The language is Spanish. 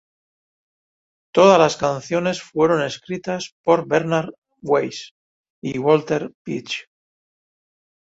Todas las canciones fueron escritas por Bernhard Weiss y Walter Pietsch.